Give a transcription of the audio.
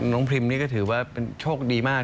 พรีมนี่ก็ถือว่าเป็นโชคดีมาก